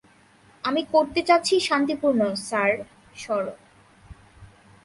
আমি করতে চাচ্ছি শান্তিপূর্ণ- স্যার, সর।